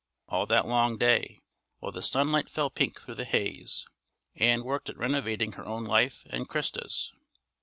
All that long day, while the sunlight fell pink through the haze, Ann worked at renovating her own life and Christa's.